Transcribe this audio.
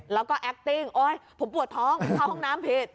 แล้วก็แอคติ้งโอ๊ยผมปวดท้องเข้าห้องน้ำผิด